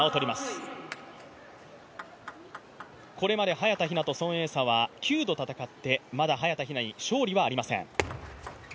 これまで早田ひなと孫エイ莎は９度戦って、まだ早田ひなに勝利はありません。